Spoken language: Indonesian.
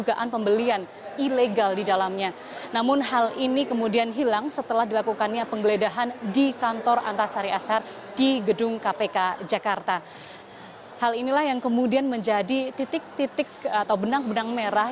hal inilah yang kemudian menjadi titik titik atau benang benang merah